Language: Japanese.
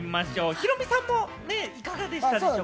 ヒロミさんもね、いかがでしたでしょうか？